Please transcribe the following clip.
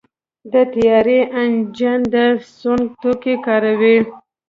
د طیارې انجن د سونګ توکي کاروي.